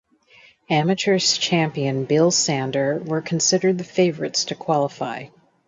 Amateur champion Bill Sander were considered the favorites to qualify.